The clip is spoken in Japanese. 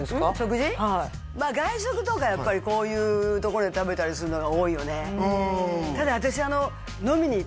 まあ外食とかやっぱりこういうところで食べたりするのが多いよね